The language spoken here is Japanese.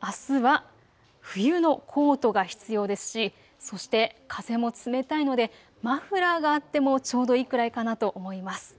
あすは冬のコートが必要ですし、そして風も冷たいのでマフラーがあってもちょうどいいくらいかなと思います。